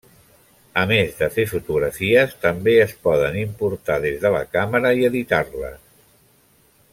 A més de fer fotografies, també es poden importar des de la càmera i editar-les.